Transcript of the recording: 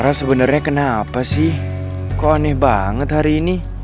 rara sebenernya kenapa sih kok aneh banget hari ini